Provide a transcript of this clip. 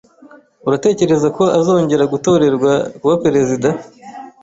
Uratekereza ko azongera gutorerwa kuba perezida?